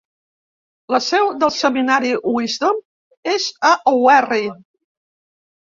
La seu del Seminari Wisdom és a Owerri.